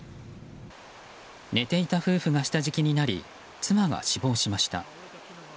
寝ていた夫婦が下敷きになり妻が死亡しました。